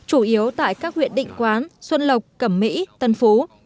chủ yếu tại các huyện định quán xuân lộc cẩm mỹ tân phú